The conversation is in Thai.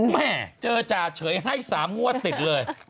แม่เจอจ่าเฉยให้๓งวดติดเลย